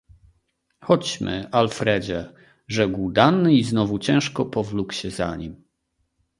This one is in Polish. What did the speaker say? "„Chodźmy, Alfredzie,“ rzekł Dan, i znowu ciężko powlókł się za nim."